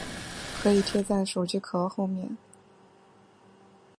可以贴在手机壳后面